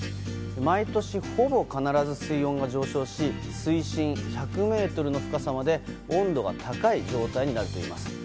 毎年ほぼ必ず水温が上昇し水深１００ｍの深さまで温度が高い状態になるといいます。